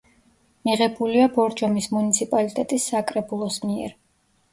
მიღებულია ბორჯომის მუნიციპალიტეტის საკრებულოს მიერ.